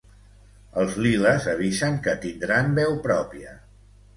els liles avisen que tindran veu pròpia